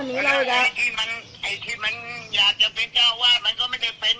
ไอ้ที่มันอยากจะเป็นเจ้าว่ามันก็ไม่ได้เป็นจนทุกวันนี้มันก็ยังไม่ได้เป็นหรือไม่หรอก